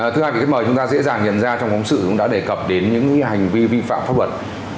thưa hai vị khán mời chúng ta dễ dàng nhận ra trong công sự chúng ta đã đề cập đến những hành vi vi phạm pháp luật